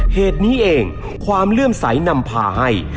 เหตุนี้เองความเลื่อมใสนำพาให้